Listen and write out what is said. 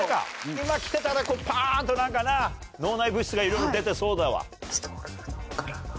今きてたらこうパンと何かな脳内物質がいろいろ出てそうだわ。